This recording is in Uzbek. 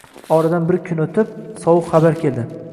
Oradan bir kun oʻtib, sovuq xabar keldi.